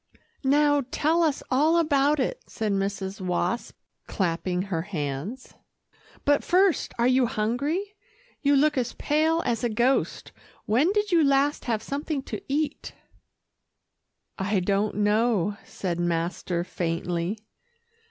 "Now, tell us all about it," said Mrs. Wasp, clapping her hands, "but first, are you hungry? You look as pale as a ghost. When did you last have something to eat?" "I don't know," said master faintly.